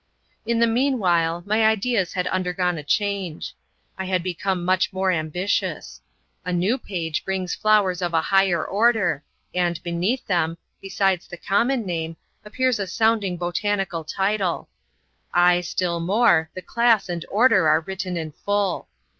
In the mean while my ideas had undergone a change. I had become much more ambitious. A hew page brings flowers of a higher order, and, beneath them, besides the common name, appears a sounding botanical title; ay, still more, the class and order are written in full.